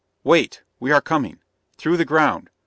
Wait! We are coming! Through the ground.